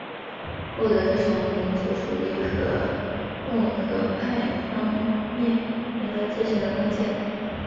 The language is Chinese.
后者是从民族主义和共和派方面赢得支持的关键。